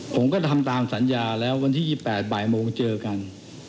ผมก็ทำตามสัญญาแล้ววันที่๒๘บ่ายโมงเจอกัน